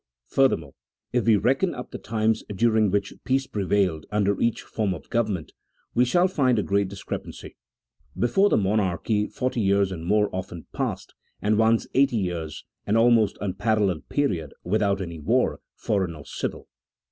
Furthermore, if we reckon up the times during which peace prevailed under each form of government, we shall find a great discrepancy. Before the monarchy forty years and more often passed, and once eighty years (an almost unparalleled period), without any war, foreign or civil.